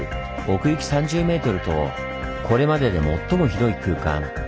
奥行き３０メートルとこれまでで最も広い空間。